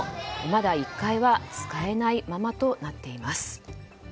まだ１階は使えないままとなっています。